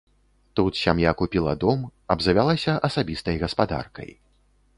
Тут сям'я купіла дом, абзавялася асабістай гаспадаркай.